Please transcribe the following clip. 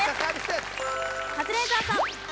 カズレーザーさん。